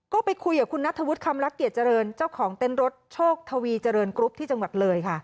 ก็ไปคุยกับคุณนัทธวุฒิคำลักษ์เจริญเจ้าของเต้นรถโชคทวีเจริญกรุ๊ปที่จังหวัดเลยค่ะ